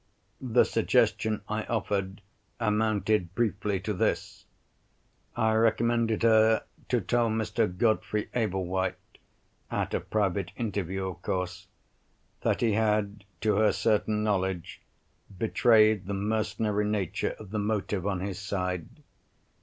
The suggestion I offered amounted briefly to this. I recommended her to tell Mr. Godfrey Ablewhite—at a private interview, of course—that he had, to her certain knowledge, betrayed the mercenary nature of the motive on his side.